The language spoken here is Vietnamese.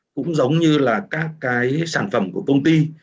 cũng giống như là các cái sản phẩm của công ty